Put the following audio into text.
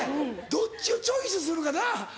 どっちをチョイスするかな。